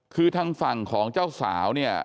คือทางฝั่งของเจ้าสาวเนี่ย